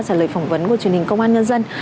trả lời phỏng vấn của truyền hình công an nhân dân